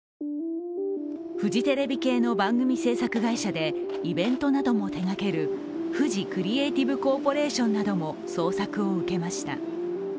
フジテレビ系の番組制作会社でイベントなども手がけるフジクリエイティブコーポレーションなども捜索を受けました。